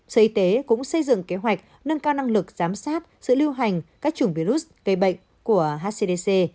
sở y tế cũng xây dựng kế hoạch nâng cao năng lực giám sát sự lưu hành các chủng virus gây bệnh của hcdc